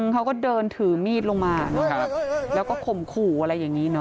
เขาก็เดินถือมีดลงมานะครับแล้วก็ข่มขู่อะไรอย่างนี้เนอ